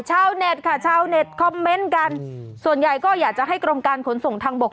ชาวเน็ตค่ะชาวเน็ตคอมเมนต์กันส่วนใหญ่ก็อยากจะให้กรมการขนส่งทางบก